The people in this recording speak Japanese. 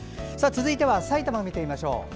続いてはさいたまを見てみましょう。